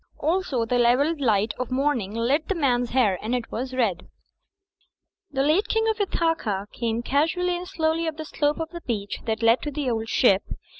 Also the level light of morning lit the man's hair, and it was red. The late King of Ithaca came casually and slowly up the slope of the beach that led to "The Old Ship."